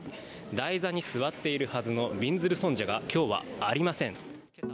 台座に座っているはずのびんずる尊者が今日は、ありません。